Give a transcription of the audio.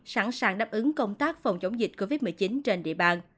sẵn sàng đáp ứng công tác phòng chống dịch covid một mươi chín trên địa bàn